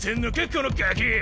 このガキ！